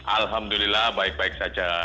alhamdulillah baik baik saja